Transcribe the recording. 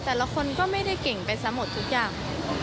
แต่ละคนก็ไม่ได้เก่งไปซะหมดทุกอย่าง